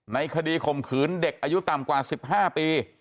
ในคดีข่มขืนเด็กอายุต่ำกว่า๑๕ปี